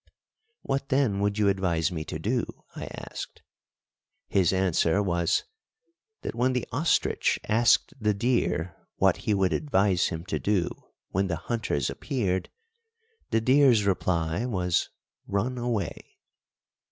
"What then would you advise me to do?" I asked. His answer was, that when the ostrich asked the deer what he would advise him to do when the hunters appeared, the deer's reply was, "Run away."